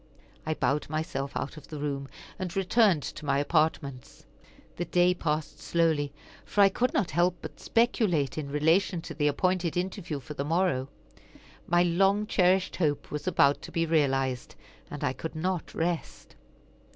I bowed myself out of the room, and returned to my apartments. The day passed slowly, for I could not help but speculate in relation to the appointed interview for the morrow. My long cherished hope was about to be realized, and I could not rest.